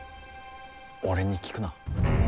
俺に聞くな。